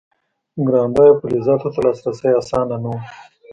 ګران بیه فلزاتو ته لاسرسی اسانه نه و.